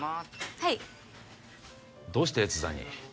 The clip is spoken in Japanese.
はいどうして越山に？